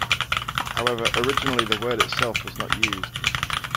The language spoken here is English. However, originally the word itself was not used.